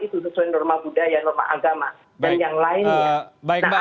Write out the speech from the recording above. itu sesuai norma budaya norma agama dan yang lainnya